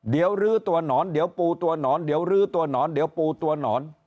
เดี๋ยวลื้อตัวหนอนเดี๋ยวปูตัวหนอนเดี๋ยวลื้อตัวหนอนเดี๋ยวปูตัวหนอน